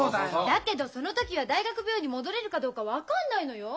だけどその時は大学病院に戻れるかどうか分かんないのよ！？